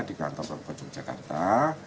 di kantor kota yogyakarta